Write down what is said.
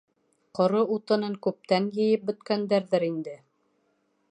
Ҡоро утынын күптән йыйып бөткәндәрҙер инде.